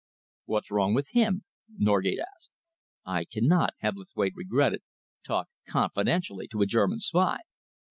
"What's wrong with him?" Norgate asked. "I cannot," Hebblethwaite regretted, "talk confidentially to a German spy."